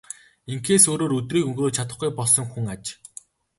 Ингэхээс өөрөөр өдрийг өнгөрөөж чадахгүй болсон хүн аж.